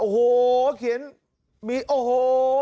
โอ้โหเขียนมีโอ้โห